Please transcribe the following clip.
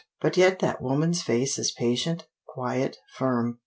But yet that woman's face is patient, quiet, firm.